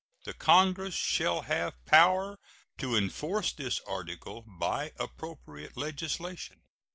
The Congress shall have power to enforce this article by appropriate legislation.